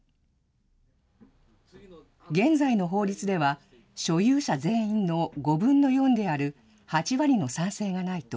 現在の法律では、所有者全員の５分の４である８割の賛成がないと、